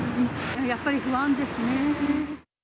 やっぱり不安ですね。